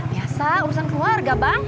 biasa urusan keluarga bang